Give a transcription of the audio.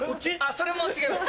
それも違います